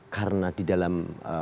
karena di dalam